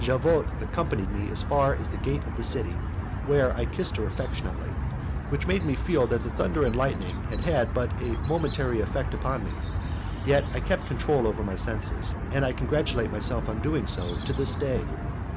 Javotte accompanied me as far as the gate of the city, where I kissed her affectionately, which made me feel that the thunder and lightning had had but a momentary effect upon me; yet I kept control over my senses, and I congratulate myself on doing so to this day.